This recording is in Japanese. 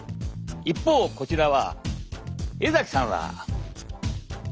一方こちらは江さんは。